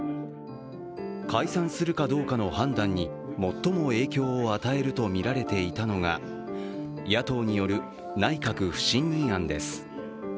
解散するかどうかの判断に最も影響を与えるとみられていたのが野党による内閣不信任案です。